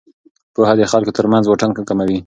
پوهه د خلکو ترمنځ واټن کموي.